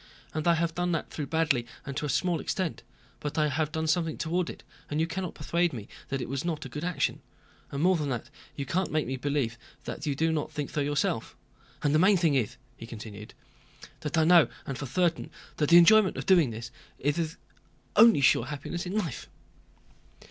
"And I have done that though badly and to a small extent; but I have done something toward it and you cannot persuade me that it was not a good action, and more than that, you can't make me believe that you do not think so yourself. And the main thing is," he continued, "that I know, and know for certain, that the enjoyment of doing this good is the only sure happiness in life."